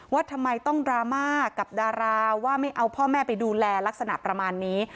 ว่าทำไมต้องดราม่ากับดาราว่าไม่เอาพ่อแม่ไปดูแลลักษณะประมาณนี้